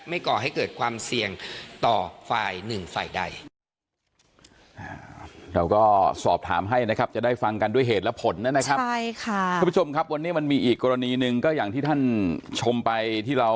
ก่อให้เกิดความเสี่ยงต่อฝ่ายหนึ่งฝ่ายใด